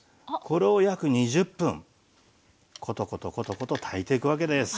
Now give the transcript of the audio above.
これを約２０分コトコトコトコト炊いていくわけです。